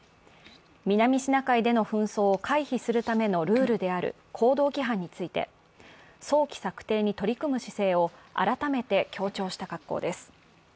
南シナ海での紛争を回避するためのルールである行動規範について、早期策定に取り組む姿勢を改めて強調した格好です。